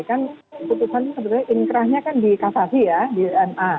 kan putusannya sebenarnya inkrahnya kan di kasasi ya di ma